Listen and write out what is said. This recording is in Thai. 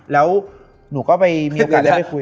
แล้วหนูก็ไปมีโอกาสได้ไปคุย